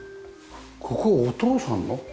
ここお父さんの？